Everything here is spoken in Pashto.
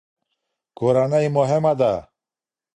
کورنۍ مهمه ده.